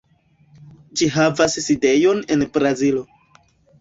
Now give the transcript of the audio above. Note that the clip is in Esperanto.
Ĝi havas sidejon en Brazilo.